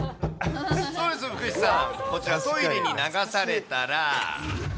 どうです、福士さん、こちら、トイレに流されたら。